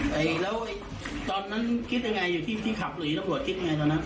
แต่แล้วตอนนั้นคิดยังไงอยู่ที่ขับหนีตำรวจคิดไงตอนนั้น